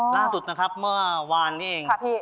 ล่าสุดนะครับเมื่อวานนี้เอง